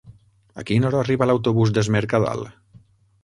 A quina hora arriba l'autobús d'Es Mercadal?